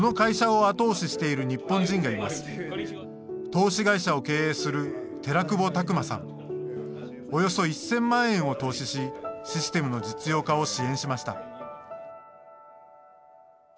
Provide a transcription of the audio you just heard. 投資会社を経営するおよそ１０００万円を投資しシステムの実用化を支援しました。